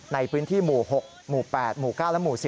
ในพื้นที่หมู่๖หมู่๘หมู่๙และหมู่๔